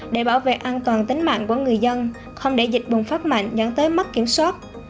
để bảo vệ an toàn tính mạng của người dân không để dịch bùng phát mạnh dẫn tới mất kiểm soát